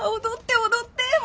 踊って踊って。